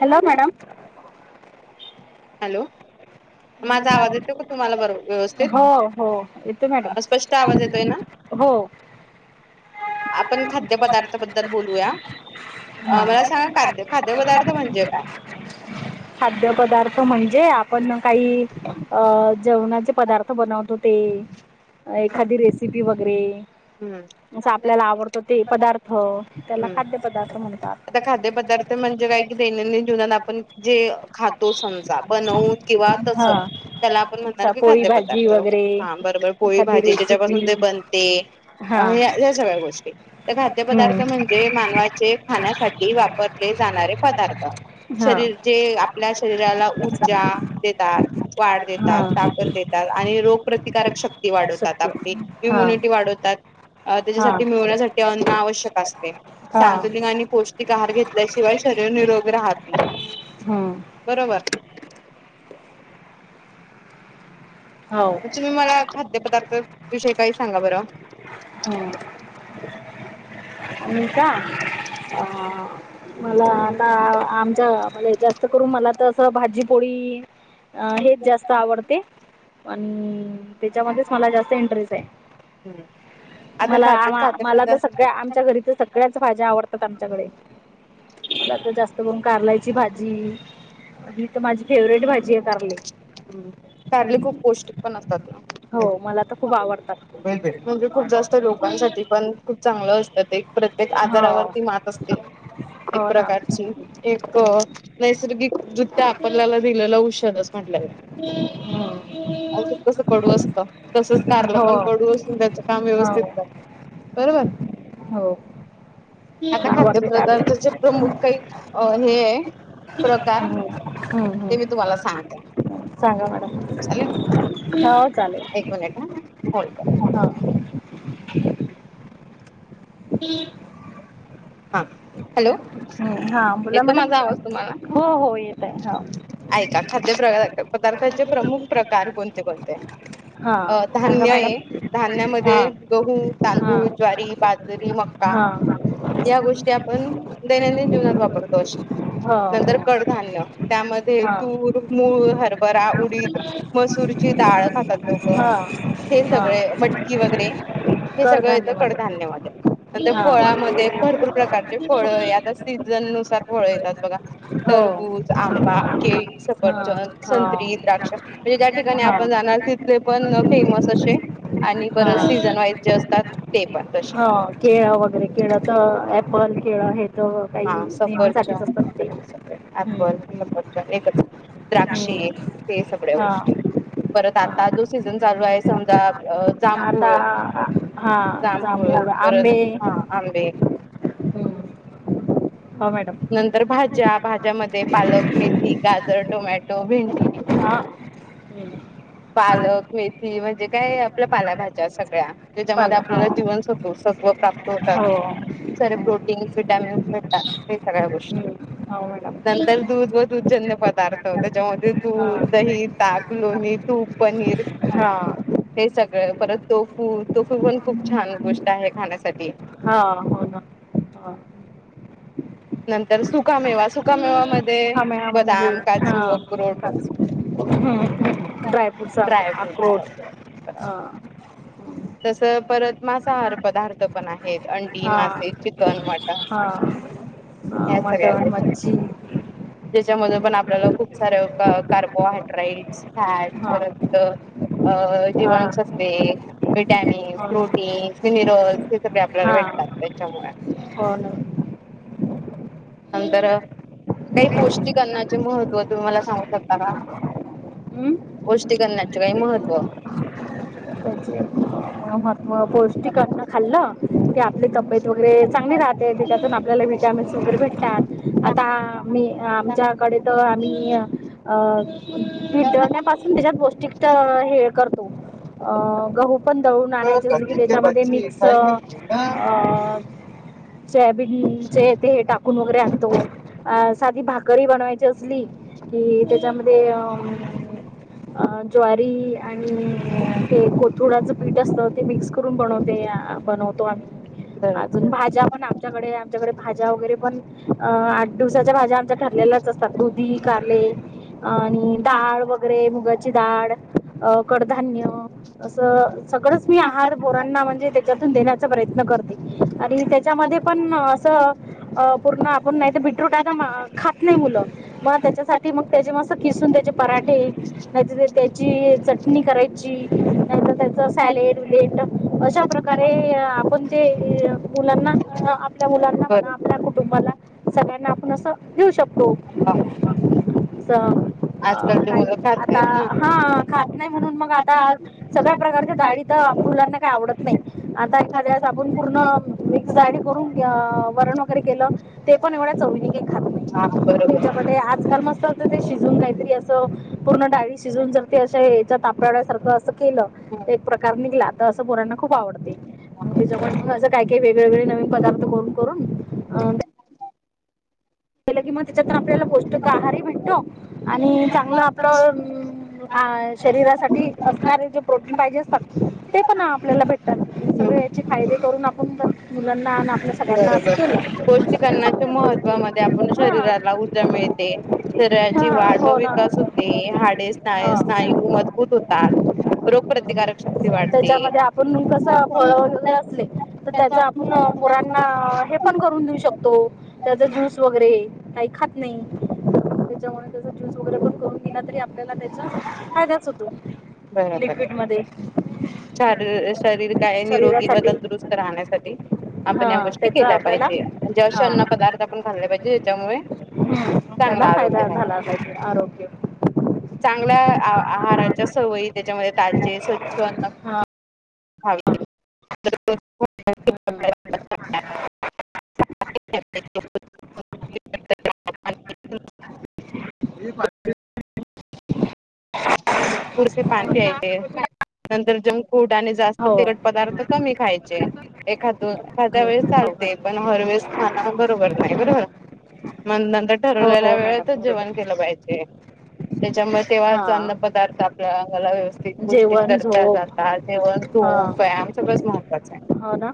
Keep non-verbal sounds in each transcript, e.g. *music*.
Hello madam. Hello. माझा आवाज येतो का तुम्हाला बरोबर व्यवस्थित हो हो येते मॅडम. स्पष्ट आवाज येतोय ना हो. आपण खाद्यपदार्थ बद्दल बोलूया. अ मला सांगा खाद्य खाद्यपदार्थ म्हणजे काय? खाद्य पदार्थ म्हणजे जे आपण काही अ जेवणाचे पदार्थ बनवतो ते.. एखादी रेसिपी वगैरे. हम्म असं आपल्याला आवडतो ते पदार्थ त्याला हम्म खाद्य पदार्थ म्हणत. आता खाद्यपदार्थ म्हणजे काय की दैनंदिन जीवनात आपण जे खातो समज बनवून किंवा हा *unintelligible* त्याला आपण म्हणणार अच्छा की पोळी भाजी खाद्यपदार्थ वगैरे हा एखादी बरोबर पोळी भाजी ज्याच्यापासून रेसिपी ते बनते. हा अ ह या सगळ्या गोष्टी तर खाद्य पदार्थ हम्म म्हणजे मानवाचे.. खाण्यासाठी वापरले जाणारे पदार्थ. शरीर हा जे आपल्या शरीराला हा ऊर्जा.. देतात. हा वाढ देतात. ताकद देतात, आनी रोग प्रतिकारक शक्ती वाढवतात आपली इम्युनिटी वाढवतात, अ त्याच्यासाठी मिळवण्यासाठी अन्न आवश्यक असते. हा आणि पौष्टिक आहार घेतल्याशिवाय शरीर निरोग राहत नाही. हम्म बरोबर. हो म तुम्ही मला खाद्य पदार्थ विषयी काही सांगा बरं. रिकामा ऑडिओ आणि का अ मला.. आ आमच्या म्ह जास्त करून मला तर असं भाजीपोळी.. अ हेच जास्त आवडते. आणि त्याच्यामध्येच मला जास्त इंटरेस्ट आहे हम्म. मला आ मला तर सगळ्या आमच्या घरीच सगळ्याच भाज्या आवडतात आमच्याकडे. तला तर जास्त बघून कारलायची भाजी ही तर माझी फेवरेट भाजी आहे कारली. ह् कारले खूप पौष्टिक पण असतात हो ना! मला तर खूप आवडतात म्हणजे खूप जास्त लोकांसाठी पण खूप चांगलं असतं एक प्रत्येक हो आजारावरती मात *unintelligible* एक हो ना प्रकारची एक नैसर्गिक नृत्य आपल्याला दिलेलं औषधच म्हटल्या जाते हम्. हं. अ कस कडू असतं तसच कारला हो पण कडू असून त्याच काम हो व्यवस्थित करत. बरोबर. हो. आता मला खाद्य आवडते कारली पदार्थाचे प्रमुख काही अ हे आहे. प्रकार ् हम्म ते मी तुम्हाला हम् सांगते सांगा मॅडम. चालेल हो चालेल एक मिनिट हं. होल्ड करा. रिकामा ऑडिओ *unintelligible* हा हॅलो हम्म, हां बोला येतो. *unintelligible* मॅडम माझा आवाज हो तुम्हाला हो येत आहे हो ऐका खाद्यप्र पदार्थाचे प्रमुख प्रकार, कोणते कोणते हां अ सांगा धान्य नई मॅडम धान्या मध्ये हां गहू, हां तांदूळ, ज्वारी, बाजरी, मका, हां ते आपण दैनंदिन जीवनात वापरतो अशा हो नंतर हो कडधान्य त्यामध्ये हां तूर, मूळ, हरभरा, उडीद, मसुरी, ची डाळ खातात लोक हा हे हा सगळे मटकी वगैरे हे सगळं येतं कडधान्यमध्ये कडधान्य मध्ये नंतर हा फळामध्ये भरपूर काच्चे फळ मे आता सीजन नुसार फळ येतात बघ, हो तरबूज, आंबा हा केळी, हा सफरचंद, हा संत्री, द्राक्ष, म्हणजे ज्या ठिकाणी आपण जाणार तिथले पण फेमस अशे आणि बर हा सीझन वाईज जे असतात, ते पण तसे पण केळ हे तर काही नेहमी साठीच असतात ते अँपल, हम्म हम्म सफरचंद, एकच द्राक्षी, हे हम्म सगळ्या हा गोष्टी परत आता जो सीझन चालू आहे. हा समजा अ आता जांभूळ हां जांभोळ, जांभूळ परत आंबे हा आंबे, हम्म. हो मॅडम नंतर भाज्या भाज्यामध्ये पालक, मेथी, गाजर, टोमॅटो, भेंडी, हां *inaudible* पालक, मेथी, म्हणजे काय आपल्या पाल्याभज्या सगळ्या पाल ज्याच्यामध्ये हो आपल्याला जीव सत्व सत्व प्राप्त होतात. हो सारे हो प्रोटीन्स विटॅमिन्स भेटतात. हे सगळ्या गोष्टी हम्म. हो मॅडम नंतर दूध, व दूधजन्य पदार्थ, त्याच्यामध्ये हां दूध, दही, ताक, लोणी, पनिर हां हे स परत, तोफू, तोफू पण खूप छान, गोष्ट आहे खाण्यासाठी. हा हो ना ह. *inaudible* नंतर सुकामेवा, सुकामेवा मध्ये हा मॅ हा म्हणजे बदाम, काजू, हां अख्रोट, ड्रायफ्रूट्स ड्रायफ्रूट अक्रोट सगळ बरा *unintelligible* हां बर तस परत मासाहार पदार पण आहेत अंडी, हां मासे, चिकन, मटण, हां हया मटण सगाळ्या मच्छी ज्याच्यामध्ये, पण आपल्याला खूप सारे कार्बोहायड्राईटस फॅर हा परत अ हा जीवण सत्वे विटॅमिन्, हो ना प्रोटीन्स, मिनरल्स, हे सगळे आपल्याला हा भेटतात त्याच्यामुळे हम् नंतर *unintelligible* काही पोष्टी अंन्नाणाचे महत्त्व तुम्ही मला सांगू शकता का? हम्म. पोष्टी अन्नाणाचे काही महत्त्व पौष्टिक अन्न खाल्ल *unintelligible* की आपली तब्येतगैरे चांगली राहते त्याच्यातून आपल्याला व्हिटमिनस वगौरे भेट आताी मी आमच्याकडे तर आम्ही अं *unintelligible* विज्ञण्यापासून त्याच्यात पौष्टिक हे करतो. अं गहू, पण दळून आणायच *unintelligible* त्यामध्ये मिक्स *unintelligible* बि ते हे टाक. कून वगैरे आणतो अ साधी, भाकरी, बनवायची असली. कि त्याच्यामध्ये अम्म *inaudible* अ ज्वारी, आणि ते कोथुडाचं, पीठ असतं ते मिक्स करून बनवते बनवतो आम्ही बरोबर अजून भाज्या, पण, आमच्याकडे, आमच्याकडे, भाज्या वगैरे पण अ आठ दिवसाच्या भाज्या, त ठरलेलच असतात. दुधी, कारले, आणि डाळ, वगैरे मुगाची दाळ, कडधान्य, सगळ मी आहर म्हणजे त्या देण्याचा प्रयत्न करते आणि त्याच्यामध्ये पण असं अ पूर्ण आपण नाही तर बिट्रूट आ खात नाही मुलं म त्याच्यासाठी मग त्या मस् किसून त्या पराठे त्याची चटणी करायची नाही त्याच सॅलेड वगैरे टाकूनअशा प्रकारे आपण ते मुलांना *unintelligible* बरोबर *unintelligible* तुम्हाला सगळ्यांना आपण असं देऊ शकतो. हा असं अ आजकालची काही मुलं खात आता नाहीत ना. ह खात नाही म्हणून मग आता सग *unintelligible* प्रकारच्या डाळी तर मुलांना काही आवडत नाही आता एखाद्या सा आपण पूर्ण मिक्स डाळी करून अ वरण वगैरे केलं ते पण एवढ्या चनी *unintelligible* हा बरोबर. तर जलमस्त अस ते शिजून काहीतरी असं पूर्ण डाळी शिजून जर ते अस *unintelligible* केलं एक हम्म प्रकार निघला तर असं पोरांना खूप आवडतं य. तिच्या बर असं काय काही वेगळेवेेगळे नवीन पदार्थ करून करून अ *unintelligible* मग त्याच्यातून आपल्याला पौष्टक आहारी म्हणतो आणि चांगलं आपलं शरीरासाठी असणारे जे प्रोटीन पाहिजे असतात ते पण आपल्याला भेटतात. *unintelligible* आपण मुलांना *unintelligible* असं बरोबर, केलं पौष्टिक त्या अन्नाच्या चांगल्याच गोष्टी महत्वा मध्ये आहे *unintelligible* हा शरीराला ऊर्जा मिळते. शरीराची हा वाढ व हो ना विकास होते. हाडे स्ना हा *unintelligible* मजबूत होतात. रोगप्रतिकारक शक्ती वाढते. त्याच्यामध्ये आपण कसं फळ वगैरे असले तर त्याच आपण पोरांना हे पण करून देऊ शकतो. त्याचा जस *unintelligible* वगैरे काही खात नाही. त्याच्यामुळे त्याचा ज्यूस वगैरे पण करून दिला तरी आपल्याला त्याचा फायदाच होतो. बरोबर, लिक्विड मध्ये शरीर काय निरोगी व शरीरासाठी तंदुरुस्त राहण्यासाठी हा आपण या गोष्टी त्याचा केल्या आपल्याला पाहिजे म्हणजे अश हा अन्न पदार्थ आपण' खाल्लं पाहिजे याच्यामुळे हम्म चांगला त्याला आरोग्य फायदा राहील. झाला पाहिजे आरोग्य चांगल्या आहाराच्या सवयी त्याच्यामध्ये ताजे स्वच्छ अन्न हा *unintelligible* *inaudible* *unintelligible* *unintelligible* आणि *unintelligible* पुडसे *unintelligible* नंतर जंग फूड आणि जास्त हो तिखट पदार्थ कमी खायचे एखाद एखाद्या वेळेस चालत. हो ते पण हरवेळेस खान बरोबर नाही बरोबर. मग नंतर हो ठरवलेल्या हो मॅडम वेळातच जेवण केलं. त्याच्यामुळे तेव्हा हा अन्न पदार्थ आपल्या अंगाला व्यवस्थित गोष्टी जेवण करता झोप जाता जेवण हा झोप व्यायाम सगळंच महत्वाचा आहे. हो, ना.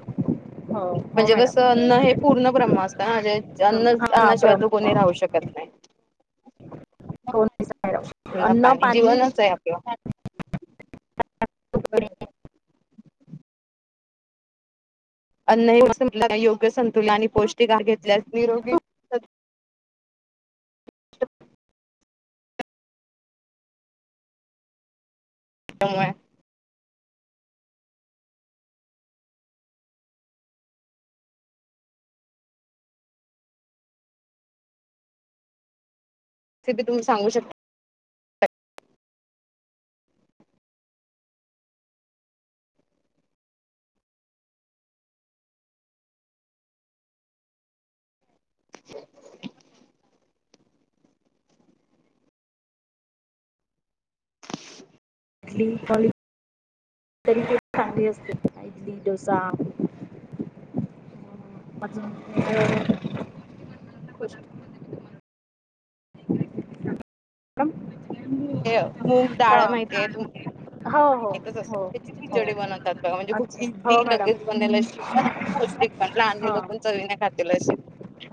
हो हो म्हणजे मॅडम कसं अन्न हे पूर्ण ब्रह्म असतं ना जे हा अन्ना शिवाय कोणी ब्रह्म राहू शकत नाही. *inaudible* कोणी *unintelligible* ना अन्न पानी पाणी जीवनच आहे आपलं. बरोबर. अन्नही *unintelligible* योग्य संतुलन आणि पौष्टिक आहार घेतल्यास निरोगी *unintelligible* *unintelligible* तिथे तुम्ही सांगू शकता *unintelligible* *unintelligible* *unintelligible* इडली डोसा. *unintelligible* *unintelligible* ते मूग डाळ हा माहितीय तुम हो हो माहिती च असेल, हो त्याची हो खिचडी बनवतात म्हणजे खूप अच्छा इझी हो मॅडम लगेच, बनला गोष्ट. पण लहान हा मुलं पण चवीने खातील असे,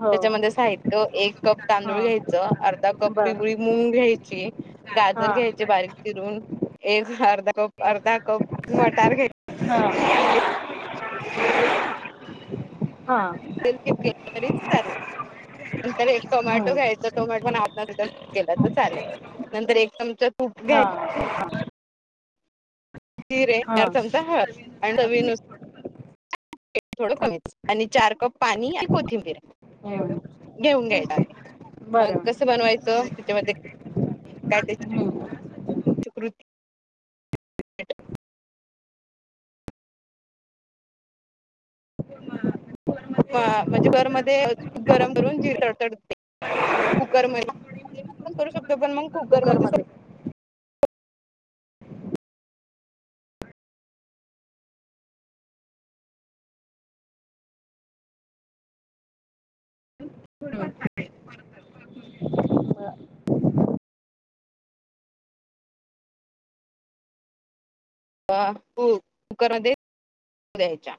हो साहित्य एक कप हा तांदूळ घ्यायचं. अर्धा कप बरं पिवळी मूंग घ्यायची, हा गाजर घ्यायचे बारीक चिरून, एक अर्धा कप अर्धा कप मटार घेत. हा *unintelligible* *unintelligible* चालेल. *unintelligible* नंतर एक टोमॅटो हं, घ्यायच, टोमॅटो पण आर्धा केलं तर चालेल, नंतर एक च हा ह, जीरे चार चमचा हळद, आणि चावी अच्छा नुसार, *unintelligible* थोडं कमीच, आणि चार कप पाणी, आणि कोथिंबीर हं, घेऊन घ्यायला, मग बरं कसं बनवायचं त्याच्यामध्ये काय त्या, कुकर *unintelligible* *unintelligible* ह म्हणजे घरमध्ये गरम, करून जेरे तडतडून घायच कुकर मध्ये *unintelligible* पण मग कुकरमध्ये, मध्ये *unintelligible* तू कुकरमध्ये द्यायच्या.